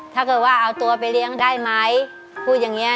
ถ้าเกิดว่าเอาตัวไปเลี้ยงได้ไหมพูดอย่างเงี้